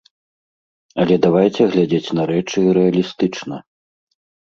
Але давайце глядзець на рэчы рэалістычна.